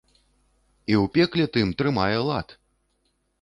І ў пекле тым трымае лад!